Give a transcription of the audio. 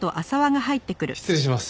失礼します。